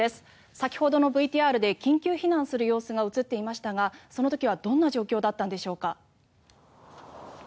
先ほどのＶＴＲで緊急避難する様子が映っていましたがその時はどんな状況だったんでしょうか。